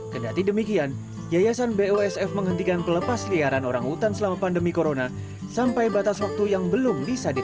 kedati demikian yayasan bosf menghentikan pelepas liaran orang hutan selama pandemi corona sampai batas waktu yang belum bisa dilakukan